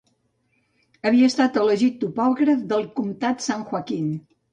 Havia estat elegit topògraf del comtat San Joaquin.